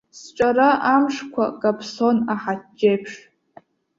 Сҿара амшқәа каԥсон аҳаҷҷеиԥш.